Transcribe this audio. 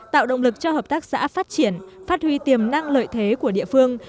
tạo động lực cho hợp tác xã phát triển phát huy tiềm năng lợi thế của địa phương